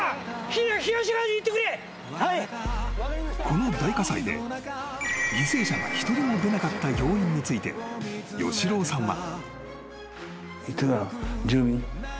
［この大火災で犠牲者が一人も出なかった要因について吉朗さんは］